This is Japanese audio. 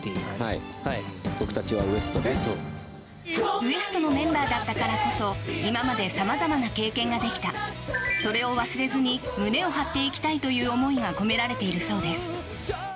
ＷＥＳＴ．のメンバーだったからこそ今まで様々な経験ができたそれを忘れずに胸を張っていきたいという思いが込められているそうです。